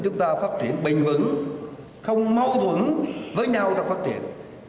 chúng ta phát triển bình vững không mâu thuẫn với nhau trong phát triển